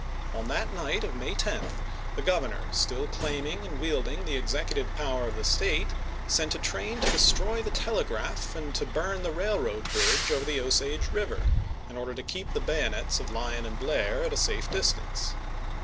On that night of May 10 the Gov MISSOUEI 219 ernor, still claiming and wielding the executive chap. xi. power of the State, sent a train to destroy the Mayio.mi. telegraph and to burn the railroad bridge over the Osage River, in order to keep the bayonets of Lyon and Blair at a safe distance.